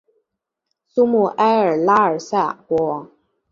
苏穆埃尔拉尔萨国王。